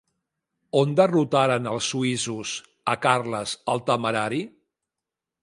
On derrotaren els suïssos a Carles el Temerari?